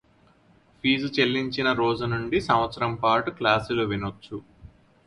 fee చెల్లించిన రోజు నుంచి సంవత్సరం పాటు క్లాసులు వినొచ్చు